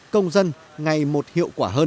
công dân ngày một hiệu quả hơn